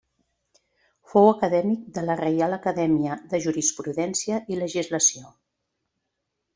Fou acadèmic de la Reial Acadèmia de Jurisprudència i Legislació.